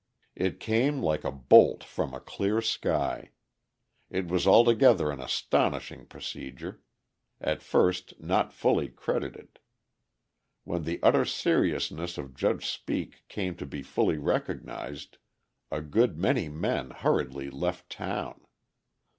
It came like a bolt from a clear sky; it was altogether an astonishing procedure, at first not fully credited. When the utter seriousness of Judge Speake came to be fully recognised, a good many men hurriedly left town.